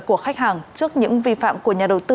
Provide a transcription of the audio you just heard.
của khách hàng trước những vi phạm của nhà đầu tư